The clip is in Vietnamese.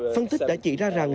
phân tích đã chỉ ra rằng